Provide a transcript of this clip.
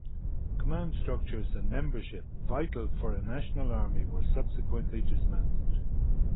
Command structures and membership vital for a national army were consequently dismantled.